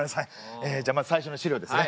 えじゃあまず最初の資料ですね。